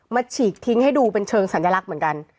ฉีกทิ้งให้ดูเป็นเชิงสัญลักษณ์เหมือนกัน